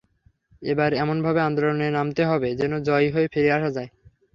এবার এমনভাবে আন্দোলনে নামতে হবে, যেন জয়ী হয়ে ফিরে আসা যায়।